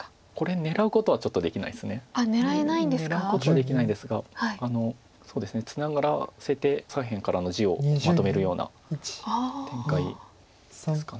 狙うことはできないんですがツナがらせて左辺からの地をまとめるような展開ですか。